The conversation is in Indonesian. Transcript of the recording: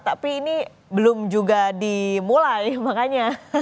tapi ini belum juga dimulai nih makanya